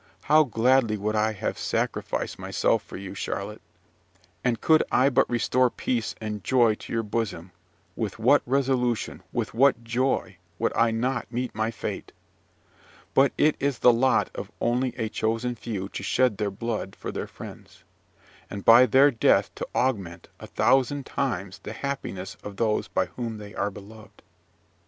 how gladly would I have sacrificed myself for you; Charlotte! And could I but restore peace and joy to your bosom, with what resolution, with what joy, would I not meet my fate! But it is the lot of only a chosen few to shed their blood for their friends, and by their death to augment, a thousand times, the happiness of those by whom they are beloved.